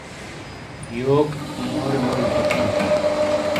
یوک مورے موجی توک تَھوں؟